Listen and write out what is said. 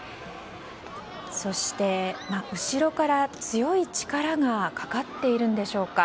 そして、後ろから強い力がかかっているんでしょうか。